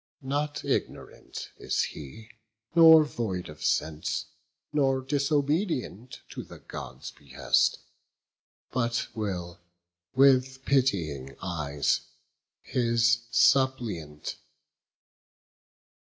Not ignorant is he, nor void of sense, Nor disobedient to the Gods' behest But will with pitying eyes his suppliant view."